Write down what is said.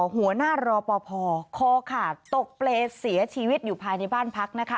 หัวหน้ารอปภคอขาดตกเปรย์เสียชีวิตอยู่ภายในบ้านพักนะคะ